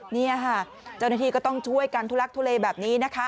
เจ้าหน้าที่ก็ต้องช่วยการทุลักษณ์ทุเลแบบนี้นะคะ